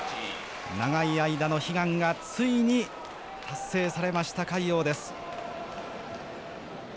長い間の悲願がついに達成されました魁皇です。